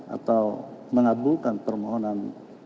atau mengabulkan permohonan